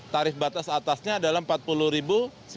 tarif batas atasnya adalah rp empat puluh sembilan ratus